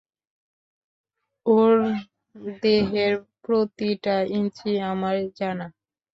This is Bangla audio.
ওর দেহের প্রতিটা ইঞ্চি আমার জানা!